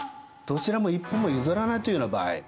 どちらも一歩も譲らないというような場合。